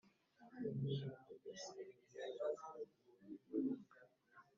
Ferdinand Magellan